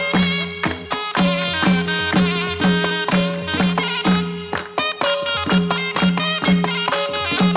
สวัสดีครับ